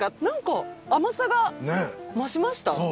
なんか甘さが増しました？